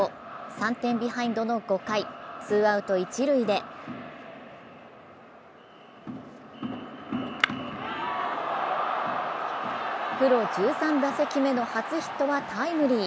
３点ビハインドの５回、ツーアウト一塁でプロ１３打席目の初ヒットはタイムリー。